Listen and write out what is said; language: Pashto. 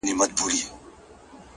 وجود پرېږدمه روح و گلنگار ته ور وړم